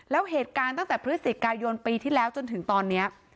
แล้วเหตุการณ์ตั้งแต่พฤศจิกายนปีที่แล้วจนถึงตอนนี้